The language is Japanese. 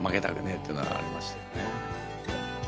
っていうのありましたよね。